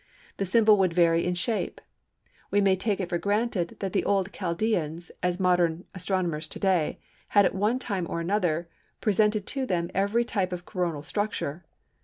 The symbol would vary in shape. We may take it for granted that the old Chaldeans, as modern astronomers to day, had at one time or another presented to them every type of Coronal structure.